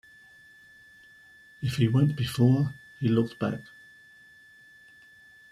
If he went before, he looked back.